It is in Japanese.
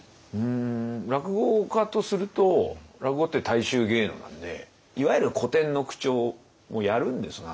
落語家とすると落語って大衆芸能なんでいわゆる古典の口調をやるんですが。